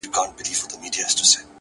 وي لكه ستوري هره شــپـه را روان”